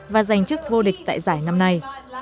và giành chức vô địch tại giải năm nay